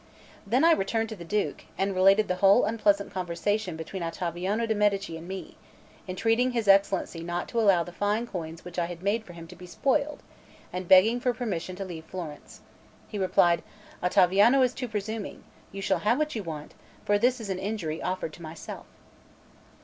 Then I returned to the Duke, and related the whole unpleasant conversation between Ottaviano de' Medici and me, entreating his Excellency not to allow the fine coins which I had made for him to be spoiled, and begging for permission to leave Florence. He replied: "Ottaviano is too presuming: you shall have what you want; for this is an injury offered to myself."